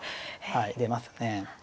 はい出ますね。